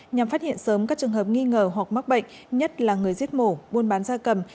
nhằm phát hiện sớm các trường hợp nghi ngờ hoặc mắc bệnh nhất là người giết mổ buôn bán da cầm